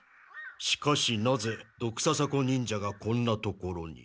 しかしなぜドクササコ忍者がこんな所に。